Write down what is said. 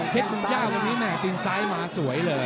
เมืองย่าวันนี้แม่ตินซ้ายมาสวยเลย